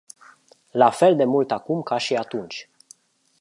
La fel de mult acum ca și atunci.